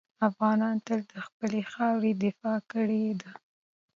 افغانانو تل د خپلې خاورې دفاع کړې ده.